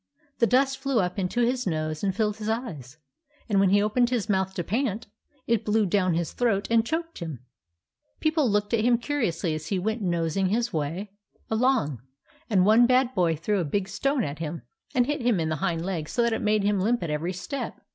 The dust flew up into his nose and filled his eyes ; and when he opened his mouth to pant, it blew down his throat and choked him. People looked at him curiously as he went nosing his way 58 THE ADVENTURES OF MABEL along ; and one bad boy threw a big stone at him and hit him in the hind leg so that it made him limp at every step.